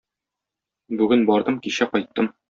Бүген бардым, кичә кайттым.